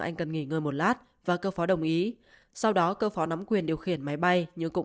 anh cần nghỉ ngơi một lát và cơ phó đồng ý sau đó cơ phó nắm quyền điều khiển máy bay nhưng cũng